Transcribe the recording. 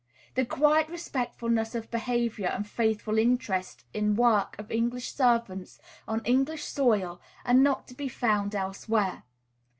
The quiet respectfulness of behavior and faithful interest in work of English servants on English soil are not to be found elsewhere.